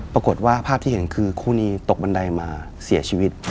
ปรากฏว่าภาพที่เห็นคือคู่นี้ตกบันไดมาเสียชีวิต